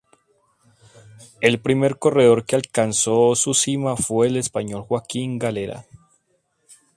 El primer corredor que alcanzó su cima fue el español Joaquim Galera.